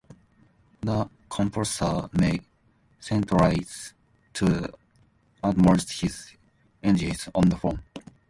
The composer may centralize to the utmost his energies on the form.